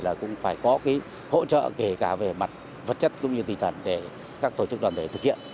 là cũng phải có cái hỗ trợ kể cả về mặt vật chất cũng như tinh thần để các tổ chức đoàn thể thực hiện